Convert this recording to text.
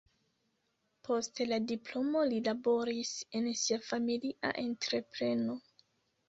Post la diplomo li laboris en sia familia entrepreno.